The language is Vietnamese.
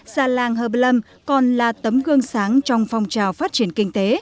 xa làng hờ lâm còn là tấm gương sáng trong phong trào phát triển kinh tế